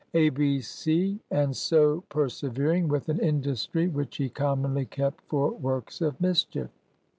A B C"—and so persevering with an industry which he commonly kept for works of mischief.